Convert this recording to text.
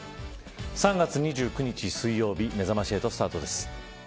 ３月２９日、水曜日めざまし８スタートです。